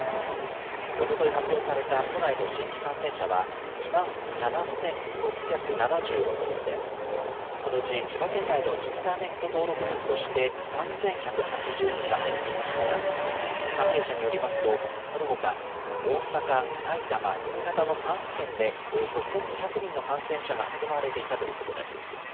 おととい発表された都内の新規感染者は２万７６７６人で、このうち、千葉県内のインターネット登録分として３１８０人が入っていましたが、関係者によりますと、このほか大阪、埼玉、新潟の３府県で、およそ１２００人の感染者が含まれていたということです。